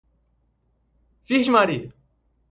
Virgem Maria